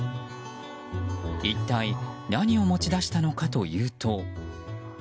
一体何を持ち出したのかというと。